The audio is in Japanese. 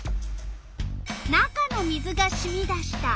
「中の水がしみ出した」。